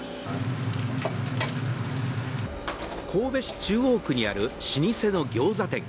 神戸市中央区にある老舗のギョーザ店。